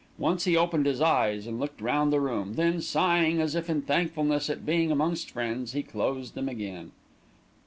Once he opened his eyes, and looked round the room, then, sighing as if in thankfulness at being amongst friends, he closed them again.